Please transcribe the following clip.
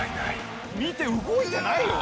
見て動いてないよ。